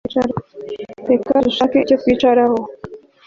Reka dushake icyo twicaraho